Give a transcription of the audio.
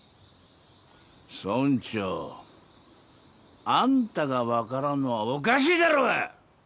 村長あんたが分からんのはおかしいだろうが！